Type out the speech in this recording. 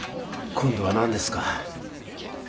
今度は何ですか？